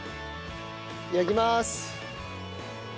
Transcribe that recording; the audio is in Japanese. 焼きます！